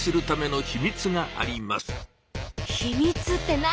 秘密って何？